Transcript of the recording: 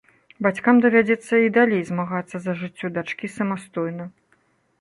Бацькам давядзецца і далей змагацца за жыццё дачкі самастойна.